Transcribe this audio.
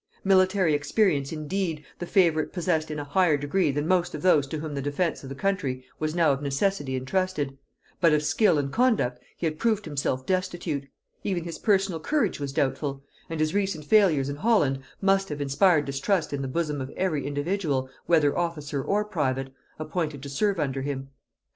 Military experience, indeed, the favorite possessed in a higher degree than most of those to whom the defence of the country was now of necessity intrusted, but of skill and conduct he had proved himself destitute; even his personal courage was doubtful; and his recent failures in Holland must have inspired distrust in the bosom of every individual, whether officer or private, appointed to serve under him.